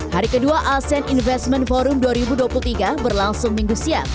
hari kedua asean investment forum dua ribu dua puluh tiga berlangsung minggu siang